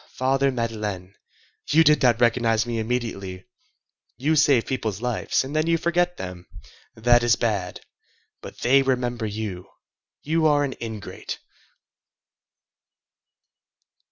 Father Madeleine! You did not recognize me immediately; you save people's lives, and then you forget them! That is bad! But they remember you! You are an ingrate!"